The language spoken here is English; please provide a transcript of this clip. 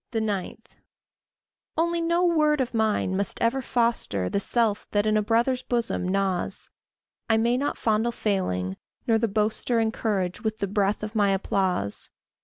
9. Only no word of mine must ever foster The self that in a brother's bosom gnaws; I may not fondle failing, nor the boaster Encourage with the breath of my applause.